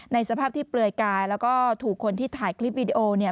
สภาพที่เปลือยกายแล้วก็ถูกคนที่ถ่ายคลิปวิดีโอเนี่ย